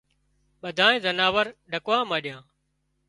ٻڌانئي زناور ڏڪوا مانڏيا